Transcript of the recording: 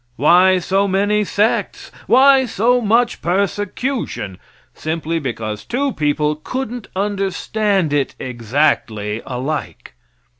Why so many sects? Why so much persecution? Simply because two people couldn't understand it exactly alike.